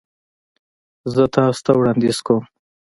زه تاسو ته وړاندیز کوم